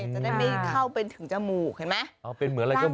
จะได้ไม่เข้าไปถึงจมูกเห็นไหม